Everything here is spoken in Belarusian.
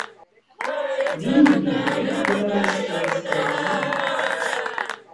Вільня, як беларускія справы?